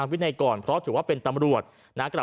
และยืนยันเหมือนกันว่าจะดำเนินคดีอย่างถึงที่สุดนะครับ